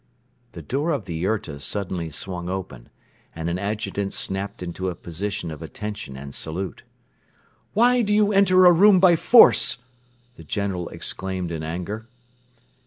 The door of the yurta suddenly swung open and an adjutant snapped into a position of attention and salute. "Why do you enter a room by force?" the General exclaimed in anger.